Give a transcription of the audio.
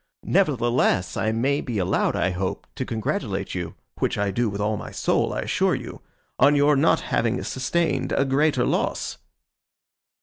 Nevertheless, I may be allowed, I hope, to congratulate you—which I do with all my soul, I assure you—on your not having sustained a greater loss.